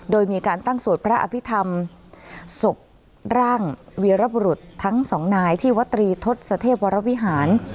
โดยมีการตั้งสวดพระอภิษฐรรมศพร่างวีรบุรุษทั้งสองนายที่วัตรีทศเทพวรวิหาร